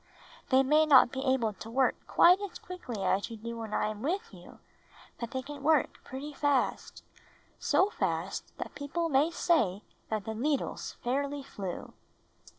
They may not be able to work quite as quickly as you do when I am with you, but they can work pretty fast — so fast that people may say that the needles fairly flew."